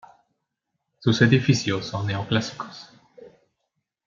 Sus edificios son neoclásicos.